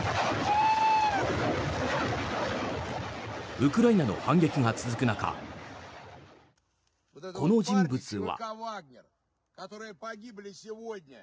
ウクライナの反撃が続く中この人物は。